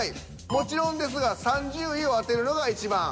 もちろんですが３０位を当てるのがいちばん。